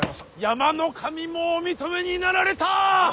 山の神もお認めになられた！